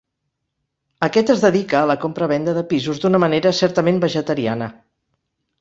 Aquest es dedica a la compra-venda de pisos d'una manera certament vegetariana.